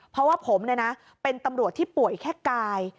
เพราะว่าผมเป็นตำรวจที่ป่วยแค่กาย